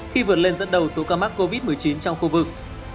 khi vượt lên dẫn đầu số ca mắc covid một mươi chín trong khu vực